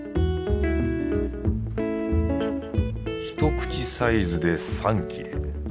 ひと口サイズで３切れ。